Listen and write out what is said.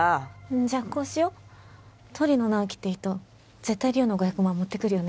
じゃあこうしよう鳥野直木っていう人絶対莉桜の５００万持ってくるよね